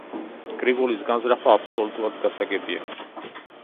გრიგოლის განზრახვა აბსოლუტურად გასაგებია.